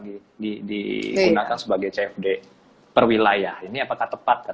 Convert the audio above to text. bu desi ini pertanyaan boleh ya